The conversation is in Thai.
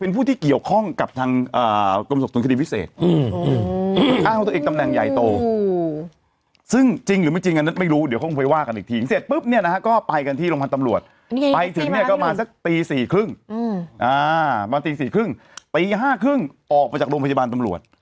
ปีห้าครึ่งออกไปจากโรงพยาบาลตำรวจ